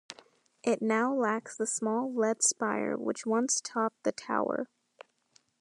It now lacks the small lead spire which once topped the tower.